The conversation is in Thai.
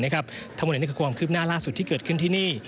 ถ้าไม่เห็นก็คือความคลิบหน้าล่าสุดที่เกิดขึ้นที่นี่